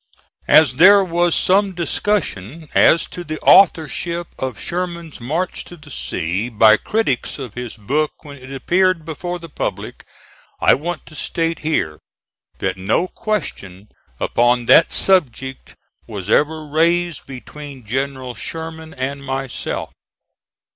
As there was some discussion as to the authorship of Sherman's march to the sea, by critics of his book when it appeared before the public, I want to state here that no question upon that subject was ever raised between General Sherman and myself.